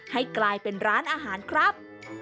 ให้กลายเป็นร้านอาหารครับ